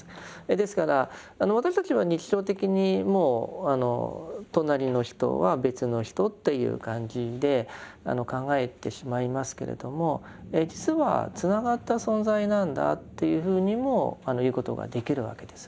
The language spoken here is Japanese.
ですから私たちは日常的にもう隣の人は別の人という感じで考えてしまいますけれども実はつながった存在なんだというふうにも言うことができるわけです。